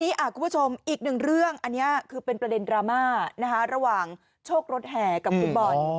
อีกหนึ่งเรื่องอันนี้คือเป็นประเด็นดราม่าระหว่างโชครถแหกับคุณบอล